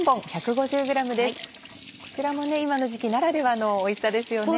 こちらも今の時期ならではのおいしさですよね。